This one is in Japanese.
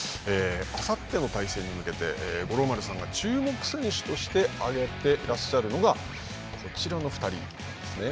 あさっての対戦に向けて五郎丸さんが注目選手として挙げてらっしゃるのがこちらの２人なんですね。